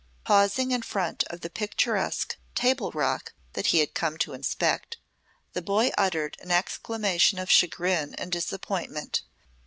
Pausing in front of the picturesque "table rock" that he had come to inspect, the boy uttered an exclamation of chagrin and disappointment.